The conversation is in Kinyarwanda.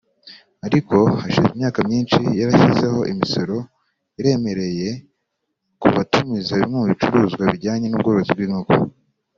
Ariko hashize imyaka myinshi yarashyizeho imisoro iremereye ku batumiza bimwe mu bicuruzwa bijyanye n’ubworozi bw’inkoko